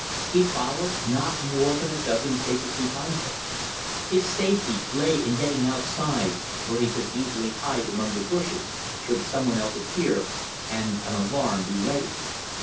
He followed, not more than a dozen paces behind her. His safety lay in getting outside, where he could easily hide among the bushes, should someone else appear and an alarm be raised.